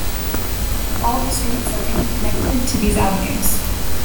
All the streets are interconnected to these avenues.